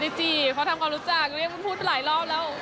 มาจีบเพราะทำความรู้จักพูดไปหลายรอบแล้ว